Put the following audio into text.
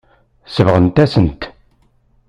Sebɣent-asent-t.